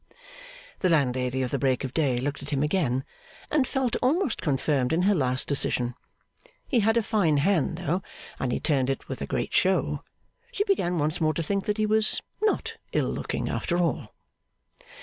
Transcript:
The landlady of the Break of Day looked at him again, and felt almost confirmed in her last decision. He had a fine hand, though, and he turned it with a great show. She began once more to think that he was not ill looking after all.